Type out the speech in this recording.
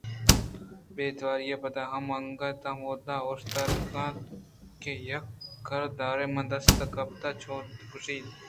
بے تواری ءَ پدا من انگتءَہمودا اوشتاتگ اِتاں کہ یک کاردارے ءَ من ءَ دست ءَ گپت ءُچموداں کّش اِت